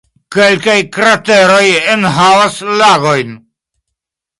Kelkaj krateroj enhavas lagojn.